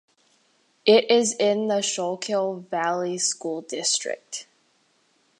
It is in the Schuylkill Valley School District.